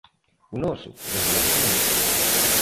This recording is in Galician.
O noso, desde logo que non.